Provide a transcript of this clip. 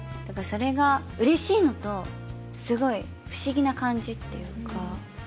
だからそれが嬉しいのとすごい不思議な感じっていうか